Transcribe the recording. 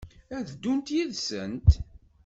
Ad ddunt yid-sent?